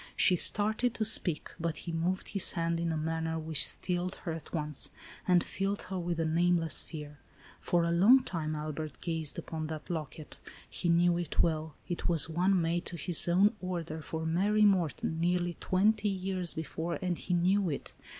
She started to speak, but he moved his hand in a manner which stilled her at once, and filled her with a nameless fear. For a long time, Albert gazed upon that locket. He knew it well. It was one made to his own order, for Mary Morton, nearly twenty years before, and he knew it.